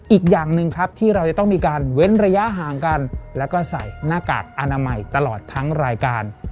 อีกอย่างหนึ่งครับที่เราจะต้องมีการเว้นระยะห่างกันแล้วก็ใส่หน้ากากอนามัยตลอดทั้งรายการ